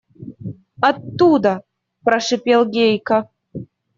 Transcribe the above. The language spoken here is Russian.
– Оттуда, – прошипел Гейка.